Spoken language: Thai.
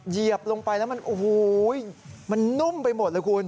เหยียบลงไปแล้วมันนุ่มไปหมดเลยคุณ